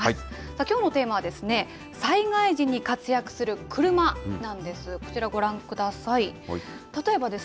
きょうのテーマは、災害時に活躍する車なんです。